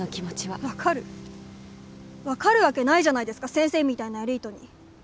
分かるわけないじゃないですか先生みたいなエリートに。